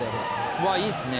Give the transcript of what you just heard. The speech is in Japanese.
うわいいっすね。